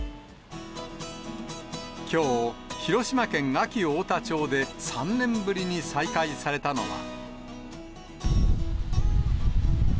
きょう、広島県安芸太田町で３年ぶりに再開されたのは。